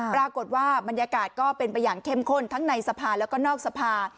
ปรากฏว่าบรรยากาศก็เป็นไปอย่างเข้มข้นทั้งในสภาแล้วก็นอกสภา